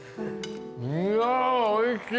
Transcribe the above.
いやおいしい！